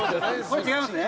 違いますね。